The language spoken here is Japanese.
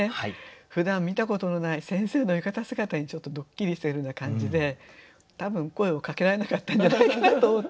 ふだん見たことのない先生の浴衣姿にちょっとドッキリしてるような感じで多分声をかけられなかったんじゃないかなと思って。